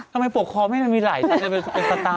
ทำไมฝับขอมรึยังไม่มีไหลของข้าว